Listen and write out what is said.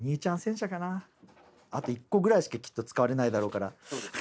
あと１個ぐらいしかきっと使われないだろうから。